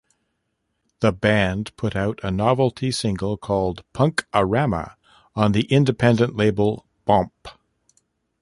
The band put out a novelty single called "Punk-A-Rama" on the independent label Bomp!